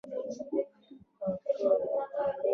ستالین د کرنې سکتور په اشتراکي سازۍ لاس پورې کړ.